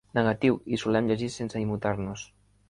Negatiu, hi solem llegir sense immutar-nos.